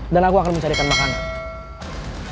dan aku akan mencarikan makanan